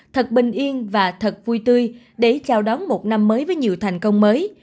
thật bình yên và thật vui tươi để chào đón một năm mới với nhiều thành công mới